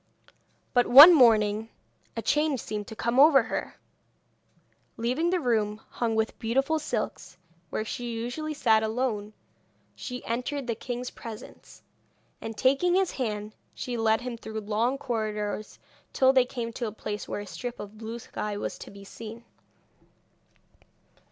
But one morning a change seemed to come over her. Leaving the room hung with beautiful silks, where she usually sat alone, she entered the king's presence, and taking his hand she led him through long corridors till they came to a place where a strip of blue sky was to be seen.